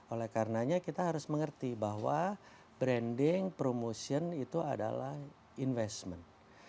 oleh karenanya kita harus mengerti bahwa branding promotion itu adalah investment